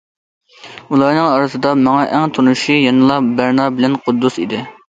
ئۇلارنىڭ ئارىسىدا ماڭا ئەڭ تونۇشى يەنىلا بەرنا بىلەن قۇددۇس ئىدى.